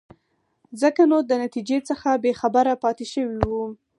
ځکه نو د نتیجې څخه بې خبره پاتې شوی وو.